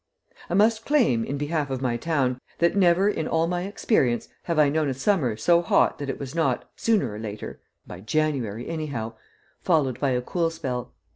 I must claim, in behalf of my town, that never in all my experience have I known a summer so hot that it was not, sooner or later by January, anyhow followed by a cool spell.